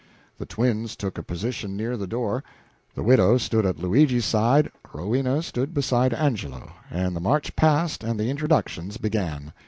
The twins took a position near the door, the widow stood at Luigi's side, Rowena stood beside Angelo, and the march past and the introductions began.